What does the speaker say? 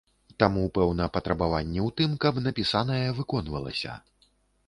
Таму, пэўна, патрабаванні ў тым, каб напісанае выконвалася.